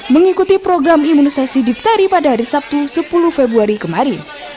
mengikuti program imunisasi diphteri pada hari sabtu sepuluh februari kemarin